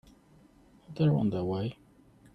They're on their way.